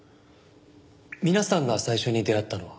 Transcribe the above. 皆さんが最初に出会ったのは？